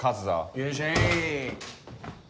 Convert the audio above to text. よいしょい。